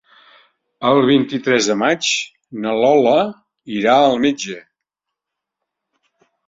El vint-i-tres de maig na Lola irà al metge.